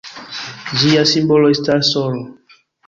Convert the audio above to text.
Ĝia simbolo estas sr.